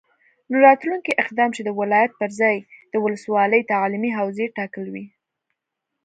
نو راتلونکی اقدام چې د ولایت پرځای د ولسوالي تعلیمي حوزې ټاکل وي،